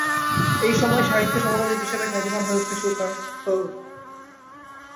এই সময়েই সাহিত্য সমালোচক হিসেবে খ্যাতিমান হয়ে উঠতে শুরু করেন পো।